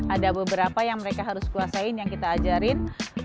ada beberapa yang mereka harus kuasain yang kita ajarin